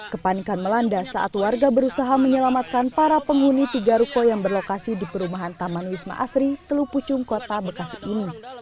kepanikan melanda saat warga berusaha menyelamatkan para penghuni tiga ruko yang berlokasi di perumahan taman wisma asri telupucung kota bekasi ini